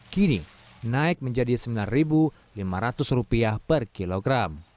kini naik menjadi rp sembilan lima ratus per kilogram